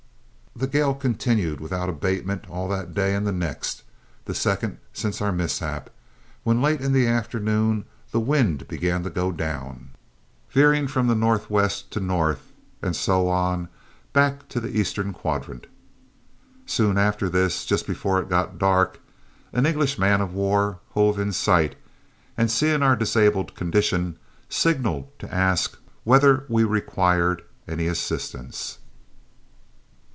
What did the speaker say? The gale continued without abatement all that day and the next, the second since our mishap, when, late in the afternoon the wind began to go down, veering from the north west to the north, and so on, back to the eastern quadrant. Soon after this, just before it got dark, an English man of war hove in sight, and, seeing our disabled condition, signalled to ask whether we required any assistance.